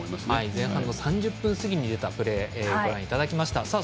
前半３０分過ぎに出たプレーをご覧いただきました。